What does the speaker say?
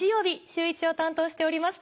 『シューイチ』を担当しております